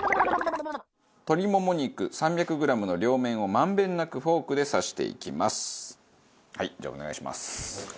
鶏もも肉３００グラムの両面を満遍なくフォークで刺していきます。